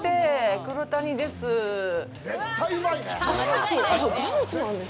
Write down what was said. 黒谷です。